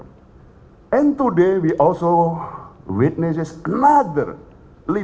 dan hari ini kita juga melihat lagi